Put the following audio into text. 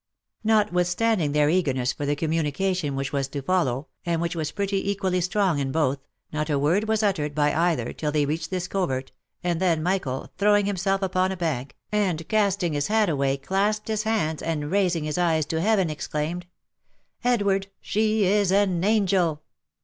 Notwithstanding their eagerness for the communication which was to follow, and which was pretty equally strong in both, not a word was uttered by either till they reached this covert, and then, Michael, throwing himself upon a bank, and casting his hat away, clasped his hands, and raising his eyes to heaven, exclaimed, " Edward, she is an angel